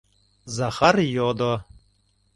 — Захар йодо.